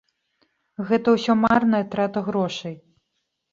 Гэта ўсё марная трата грошай.